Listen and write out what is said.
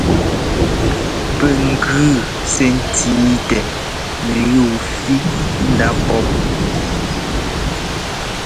Pɛ gʉ sɛ́ ńtíꞌtɛ mɛyúu fí ndá pɔ́p.